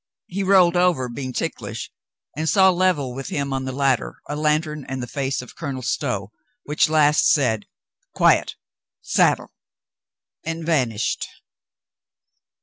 He rolled over, being ticklish, and saw level with him on the ladder a lantern and the face of Colonel Stow, which last said : "Quiet. Saddle," and vanished.